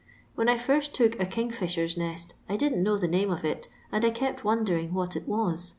When I first took a kingfisher's nest, I didn't know the name of it, and I kept wondering what it was.